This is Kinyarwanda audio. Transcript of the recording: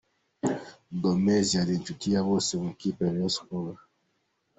Gomez yari inshuti ya bose mu ikipe ya Rayon Sports.